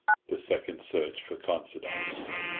THE SECOND SEARCH FOR CONSIDINE.